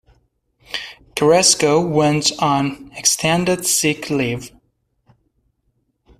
Carrasco went on extended sick leave.